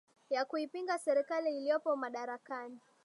ya kuipinga serikali iliyopo madarakani